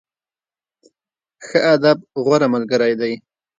ښه ادب، غوره ملګری دی.